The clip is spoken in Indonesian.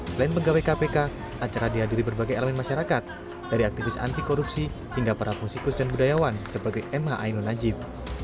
selain pegawai kpk acara dihadiri berbagai elemen masyarakat dari aktivis anti korupsi hingga para musikus dan budayawan seperti mh ainun najib